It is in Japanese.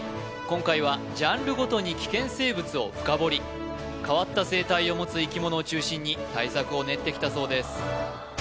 今回はジャンルごとに危険生物を深掘り変わった生態を持つ生き物を中心に対策を練ってきたそうです